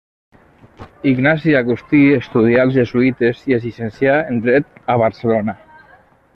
Ignasi Agustí estudià als jesuïtes i es llicencià en dret a Barcelona.